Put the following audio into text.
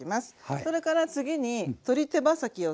それから次に鶏手羽先を使います。